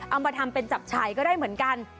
เอามาทำเป็นจับฉายก็ได้เหมือนกัน